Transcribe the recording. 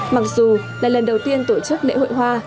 mặc dù là lần đầu tiên tổ chức lễ hội hoa